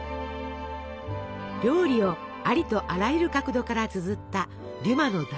料理をありとあらゆる角度からつづったデュマの「大料理事典」。